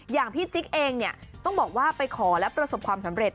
อย่างพี่จิ๊กเองเนี่ยต้องบอกว่าไปขอและประสบความสำเร็จ